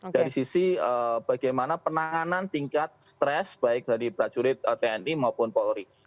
dari sisi bagaimana penanganan tingkat stres baik dari prajurit tni maupun polri